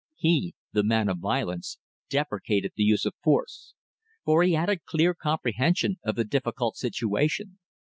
He the man of violence deprecated the use of force, for he had a clear comprehension of the difficult situation.